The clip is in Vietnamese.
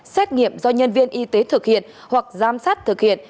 xét nghiệm do nhân viên y tế thực hiện hoặc giám sát thực hiện